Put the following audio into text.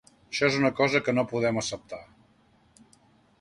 Això és una cosa que no podem acceptar.